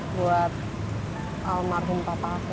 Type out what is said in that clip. buat almarhum papa aku